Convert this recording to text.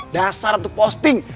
dasar untuk posting